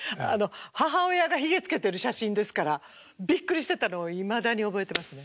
母親がヒゲつけてる写真ですからびっくりしてたのをいまだに覚えてますね。